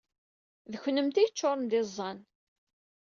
D kennemti ay yeččuṛen d iẓẓan.